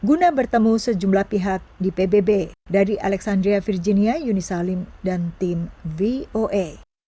guna bertemu sejumlah pihak di pbb dari alexandria virginia unisalim dan tim voa